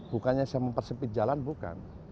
bukannya saya mempersempit jalan bukan